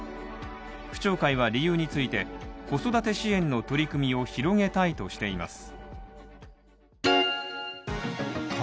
区長会は理由について、子育て支援の取り組みを広げたいとしています。